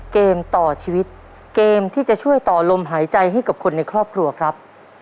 เกมต่อชีวิตเกมที่จะช่วยต่อลมหายใจให้กับคนในครอบครัวครับ